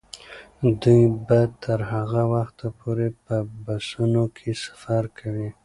دوی به تر هغه وخته پورې په بسونو کې سفر کوي.